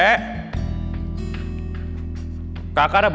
kakak udah bawa sarapan nih